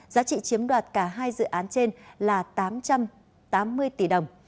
giá trị chiếm đoạt cả hai dự án trên là tám trăm tám mươi tỷ đồng